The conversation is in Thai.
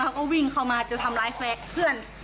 เขาก็วิ่งเข้ามาจะทำร้ายแฟนเพื่อน